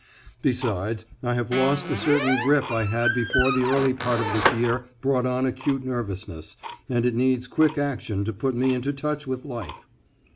Besides, I have lost a certain grip I had before the early part of this year brought on acute nervousness, and it needs quick action to put me into touch with life.